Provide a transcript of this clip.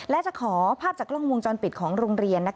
และจะขอภาพจากกล้องวงจรปิดของโรงเรียน